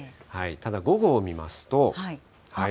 ただ午後を見ますと。